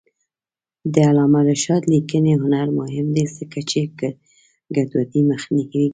د علامه رشاد لیکنی هنر مهم دی ځکه چې ګډوډي مخنیوی کوي.